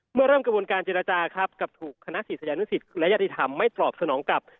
เมื่อเริ่มกระบวนการเจรจาครับกับถูกคณะศิษยานุสิตและยติธรรมไม่ตอบสนองกับ